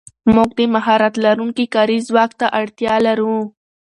موږ د مهارت لرونکي کاري ځواک ته اړتیا لرو.